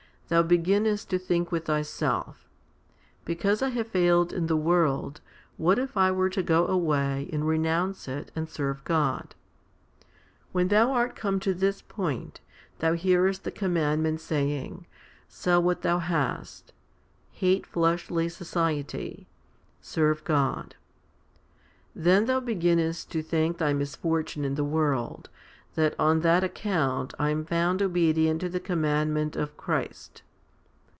Thou beginnest to 1 2 Cor. vi. 16. HOMILY XXXII 237 think with thyself, "Because I have failed in the world, what if I were to go away and renounce it and serve God ?" When thou art come to this point, thou hearest the com mandment saying, " Sell what thou hast ; l hate fleshly society ; serve God." Then thou beginnest to thank thy misfortune in the world, that "on that account I am found obedient to the commandment of Christ."